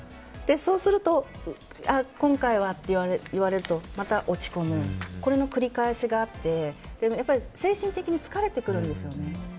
そうすると今回はって言われるとまた落ち込むこれの繰り返しがあってやっぱり精神的に疲れてくるんですよね。